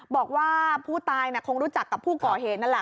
บอกว่าผู้ตายคงรู้จักกับผู้ก่อเหตุนั่นแหละ